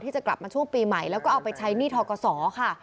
จะกลับมาช่วงปีใหม่แล้วก็เอาไปใช้หนี้ทกศค่ะ